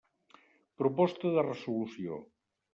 Proposta de resolució.